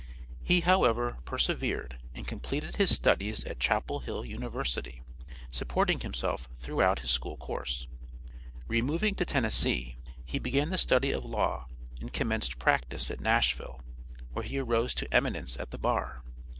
He, however, persevered and completed his studies at Chapel Hill University supporting himself throughout his school course. Removing to Tennessee he began the study of law and commenced practice at Nashville, where he arose to eminence at the bar.